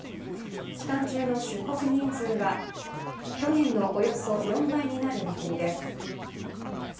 期間中の出国人数は去年のおよそ４倍になる見込みです。